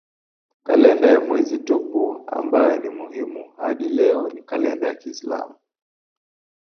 Kalenda ya mwezi tupu ambayo ni muhimu hadi leo ni kalenda ya kiislamu.